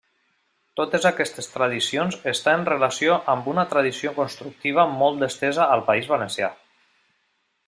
Totes aquestes tradicions està en relació amb una tradició constructiva molt estesa al País Valencià.